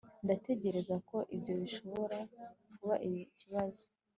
Ndatekereza ko ibyo bishobora kuba ikibazo